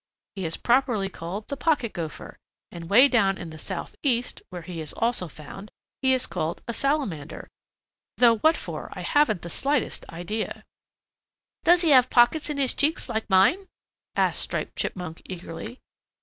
He is properly called the Pocket Gopher, and way down in the Southeast, where he is also found, he is called a Salamander, though what for I haven't the least idea." "Does he have pockets in his cheeks like mine?" asked Striped Chipmunk eagerly.